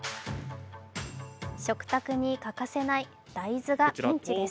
食卓に欠かせない大豆がピンチです。